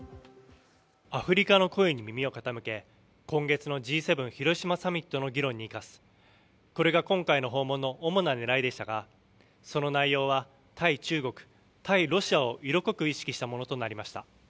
アフリカの声に耳を傾け今月のＧ７広島サミットの議論に生かす、これが今回の訪問の主な狙いでしたが、その内容は対中国、対ロシアを色濃く意識したものとなりました。